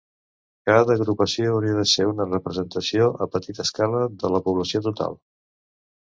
Cada agrupació hauria de ser una representació a petita escala de la població total.